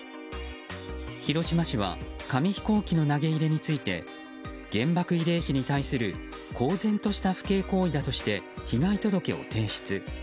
広島市は紙飛行機の投げ入れについて原爆慰霊碑に対する公然とした不敬行為だとして被害届を提出。